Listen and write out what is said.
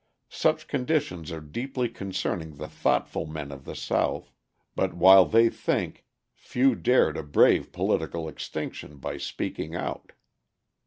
Such conditions are deeply concerning the thoughtful men of the South; but while they think, few dare to brave political extinction by speaking out.